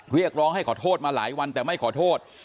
เรียกร้องให้ขอโทษมาหลายวันแต่ไม่ขอโทษ